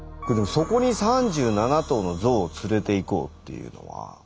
そこに３７頭のゾウを連れていこうっていうのは？